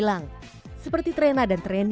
termasuk mempertemukan keluarga yang telah lama hidup